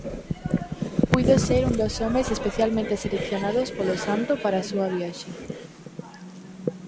Puido ser un dos homes especialmente seleccionados polo santo para a súa viaxe.